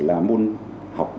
là môn học